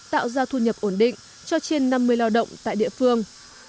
tạo ra thu nhập ổn định cho trên năm mươi lao động tại địa phương